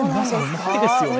速いですよね。